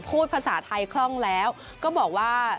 พูดภาษาไทยคล่องแล้วก็บอกว่า